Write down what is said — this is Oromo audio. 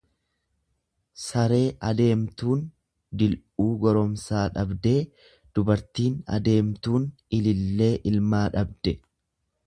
Saree adeemtuun dil'uu goromsaa dhabdee, dubartiin adeemtuun ilillee ilmaa dhabde.